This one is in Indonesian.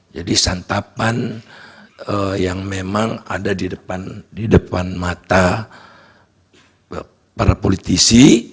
santapan yang memang ada di depan mata para politisi